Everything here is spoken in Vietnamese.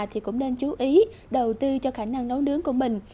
thì cũng nên chú ý đầu tư cho khả năng nấu nướng của mình